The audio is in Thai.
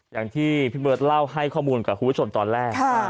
อย่างที่พี่เบิร์ตเล่าให้ข้อมูลกับคุณผู้ชมตอนแรก